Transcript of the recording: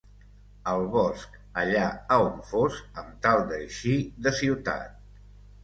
Al bosc, allà a on fos amb tal d'eixir de ciutat